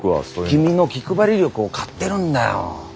君の気配り力を買ってるんだよ。